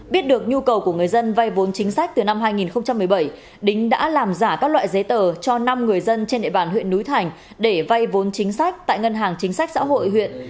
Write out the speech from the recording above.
biết được nhu cầu của người dân vay vốn chính sách từ năm hai nghìn một mươi bảy đính đã làm giả các loại giấy tờ cho năm người dân trên địa bàn huyện núi thành để vay vốn chính sách tại ngân hàng chính sách xã hội huyện